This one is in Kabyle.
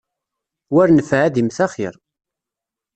War nnfeɛ ad immet axiṛ.